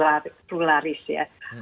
negara yang pluralis ya